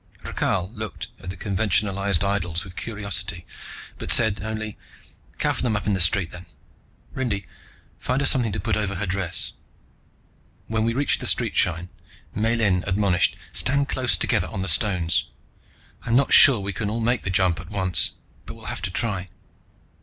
Rakhal looked at the conventionalized idols with curiosity, but said only, "Cover them up in the street, then. Rindy, find her something to put over her dress." When we reached the street shrine, Miellyn admonished: "Stand close together on the stones. I'm not sure we can all make the jump at once, but we'll have to try."